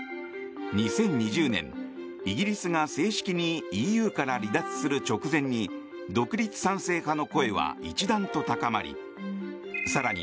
２０２０年イギリスが正式にＥＵから離脱する直前に独立賛成派の声は一段と高まり更に